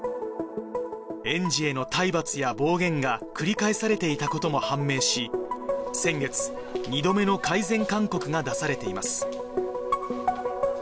園児への体罰や暴言が繰り返されていたことも判明し、先月、２度目の改善勧告が出されています。